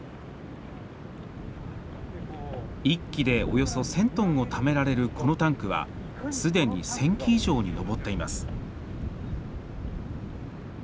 １基で、およそ１０００トンをためられる、このタンクはすでに１０００基以上に上っています。